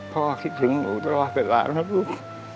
พ่อคิดถึงหนูตลอดเวลานะลูก